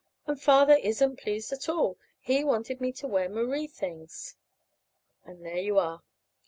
And Father isn't pleased at all. He wanted me to wear the Marie things. And there you are.